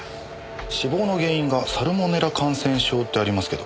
死亡の原因がサルモネラ感染症ってありますけど。